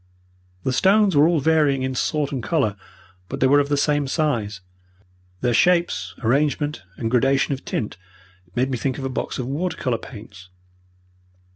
The stones were all varying in sort and colour, but they were of the same size. Their shapes, arrangement, and gradation of tint made me think of a box of water colour paints.